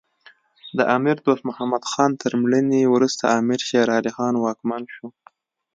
د امیر دوست محمد خان تر مړینې وروسته امیر شیر علی خان واکمن شو.